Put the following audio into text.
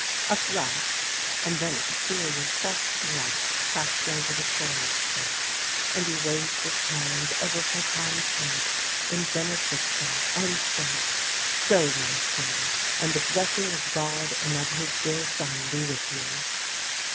A fiush and then a peculiar soft light passed over the Cure's face, and he raised his hand over Parpon's head 236 THE LANE THAT HAD NO TURNING in benediction and said :" Go, my son, and the blessing of God and of His dear Son be with you."